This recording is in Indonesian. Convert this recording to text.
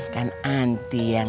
kan anti yang